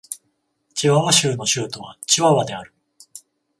チワワ州の州都はチワワである